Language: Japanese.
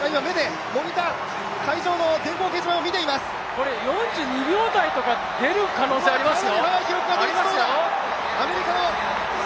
これ４２秒台とか出る可能性ありますよ。